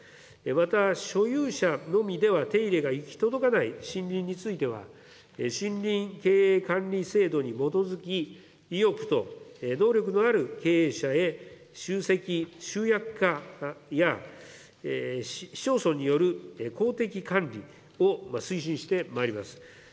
また所有者のみでは手入れが行き届かない森林については、森林経営管理制度に基づき、意欲と能力のある経営者へ集積、集約化や、市町村による公的管理を推進してまいります。